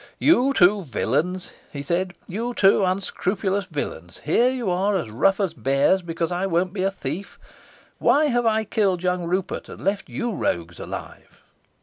"You two villains!" he said. "You two unscrupulous villains! Here you are, as rough as bears, because I won't be a thief! Why have I killed young Rupert and left you rogues alive?"